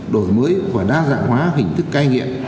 đổi mới và đa dạng hóa hình thức cai nghiện